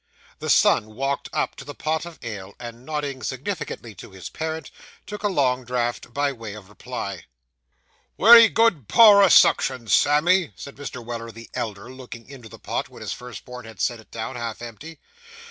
The son walked up to the pot of ale, and nodding significantly to his parent, took a long draught by way of reply. 'Wery good power o' suction, Sammy,' said Mr. Weller the elder, looking into the pot, when his first born had set it down half empty.